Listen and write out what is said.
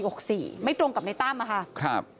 ยังไม่ตรงกับในตั้งค่ะ